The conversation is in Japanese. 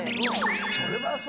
それはさ